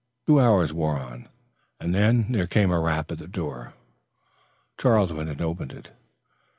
Two hours wore on, and then there came a rap at the door. Charles went and opened it.